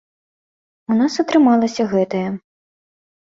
У нас атрымалася гэтая.